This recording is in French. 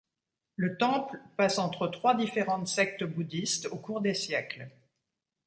Le temple passe entre trois différentes sectes bouddhistes au cours des siècles.